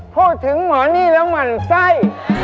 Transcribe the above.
พกถึงเหมาะหนี้และมันไส้